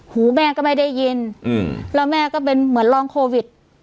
หูแม่ก็ไม่ได้ยินแล้วแม่ก็เป็นเหมือนรองโควิด